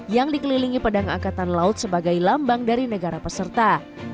yang dikelilingi pedang angkatan laut sebagai lambang dari negara peserta